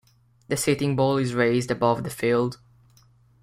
The seating bowl is raised above the field.